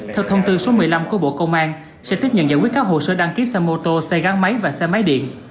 theo thông tư số một mươi năm của bộ công an sẽ tiếp nhận giải quyết các hồ sơ đăng ký xe mô tô xe gắn máy và xe máy điện